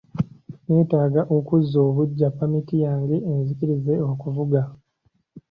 Neetaaga okuzza obuggya pamiti yange enzikiriza okuvuga.